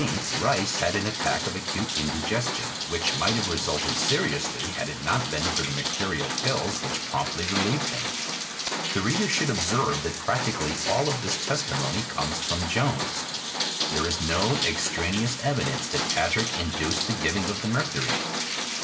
] On September 16th Rice had an attack of acute indigestion, which might have resulted seriously had it not been for the mercurial pills which promptly relieved him. The reader should observe that practically all of this testimony comes from Jones. There is no extraneous evidence that Patrick induced the giving of the mercury.